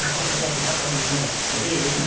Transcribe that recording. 困ったものですね。